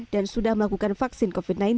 dan sudah melakukan vaksin covid sembilan belas